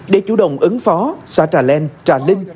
để chủ động ứng phó xã trà len trà linh